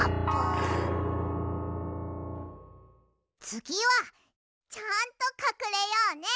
つぎはちゃんとかくれようね。